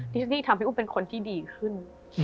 ที่ฉันนี่ทำให้อุ้มเป็นคนที่ดีขึ้น